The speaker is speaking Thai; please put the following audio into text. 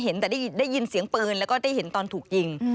แต่ได้ยินเสียงปืนแล้วก็ได้เห็นตอนถูกยิง